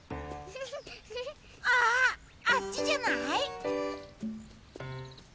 あっあっちじゃない？